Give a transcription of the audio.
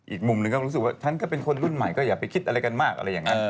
อีกมุมหนึ่งก็รู้สึกว่าฉันก็เป็นคนรุ่นใหม่ก็อย่าไปคิดอะไรกันมากอะไรอย่างนั้น